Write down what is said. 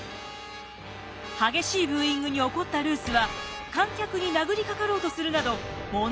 激しいブーイングに怒ったルースは観客に殴りかかろうとするなど問題を起こすようになります。